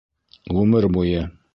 Ғүмер буйы.